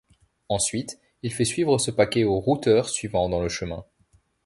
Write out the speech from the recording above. Ensuite, il fait suivre ce paquet au routeur suivant dans le chemin.